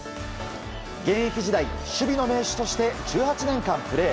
現役時代、守備の名手として１８年間プレー。